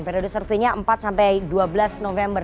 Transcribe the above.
periode surveinya empat sampai dua belas november